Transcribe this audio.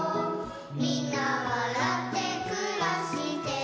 「みんなわらってくらしてる」